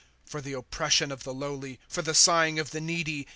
6 For the oppression of the lowly, for the sighing of the needy.